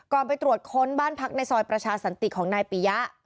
ไปตรวจค้นบ้านพักในซอยประชาสันติของนายปียะ